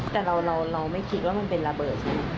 แต่เราไม่คิดว่ามันเป็นระเบิดสิ